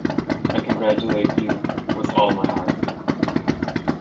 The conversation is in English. I congratulate you, with all my heart.